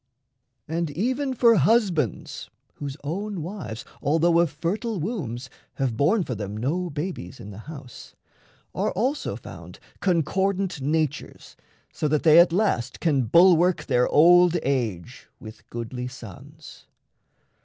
And even for husbands (whose own wives, Although of fertile wombs, have borne for them No babies in the house) are also found Concordant natures so that they at last Can bulwark their old age with goodly sons.